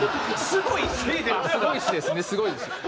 「すごいし」ですね。